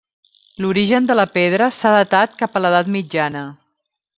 L'origen de la pedra s'ha datat cap a l'Edat mitjana.